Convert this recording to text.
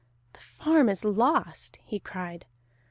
"The farm is lost!" he cried.